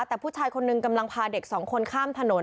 แต่ผู้ชายคนหนึ่งกำลังพาเด็กสองคนข้ามถนน